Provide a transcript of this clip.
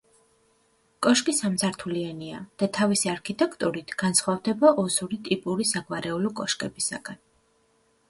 კოშკი სამსართულიანია და თავისი არქიტექტურით განსხვავდება ოსური ტიპური საგვარეულო კოშკებისაგან.